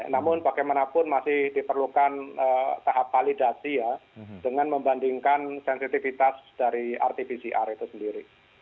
namun bagaimanapun masih diperlukan tahap validasi ya dengan membandingkan sensitivitas dari rt pcr itu sendiri